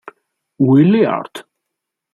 Willy Arlt